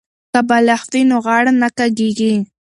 که بالښت وي نو غاړه نه کږیږي.